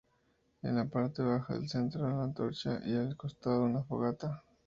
En la parte baja del centro, una antorcha y al costado una fogata.